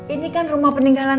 ini kan rumah peninggalan